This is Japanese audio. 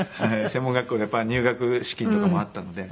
専門学校やっぱり入学資金とかもあったので。